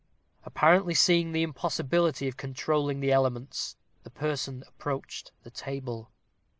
Apparently seeing the impossibility of controlling the elements, the person approached the table.